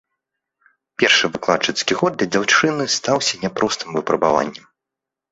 Першы выкладчыцкі год для дзяўчыны стаўся няпростым выпрабаваннем.